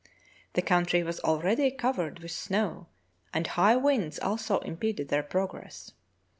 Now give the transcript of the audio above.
The country was already covered with snow and high winds also impeded their progress.